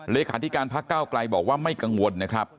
เลขาธิการภักดิ์ก้าวกลายบอกว่าไม่กังวล